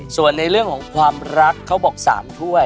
ส่วนในเรื่องของความรักเขาบอก๓ถ้วย